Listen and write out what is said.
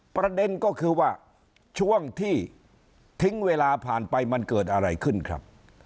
ประเด็นก็คือว่าช่วงที่ทิ้งเวลาผ่านไปมันเกิดอะไรขึ้นครับ